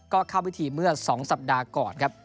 ก็เข้าพิธีเมื่อ๒สัปดาห์ก่อนครับ